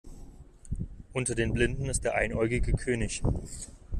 Unter den Blinden ist der Einäugige König.